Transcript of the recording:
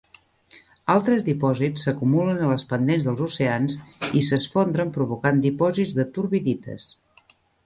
Altres dipòsits s'acumulen a les pendents dels oceans i s'esfondren provocant dipòsits de turbidites.